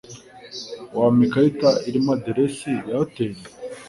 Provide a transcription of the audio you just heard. Wampa ikarita irimo aderesi ya hoteri?